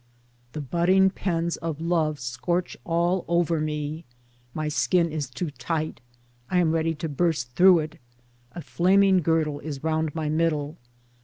The budding pens of love scorch all over me — my skin is too tight, I am ready to burst through it —& flaming girdle is round my middle.